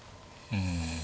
うん。